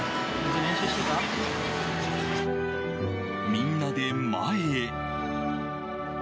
みんなで前へ！